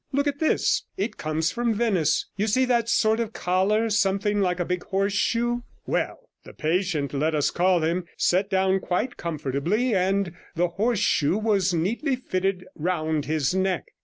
Look at this; it comes from Venice. You see that sort of collar, something like a big horseshoe? Well, the patient, let us call him, sat down quite comfortably, and the horseshoe was neatly fitted round his neck.